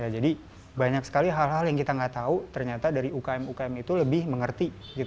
jadi banyak sekali hal hal yang kita nggak tahu ternyata dari ukm ukm itu lebih mengerti